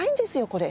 これ。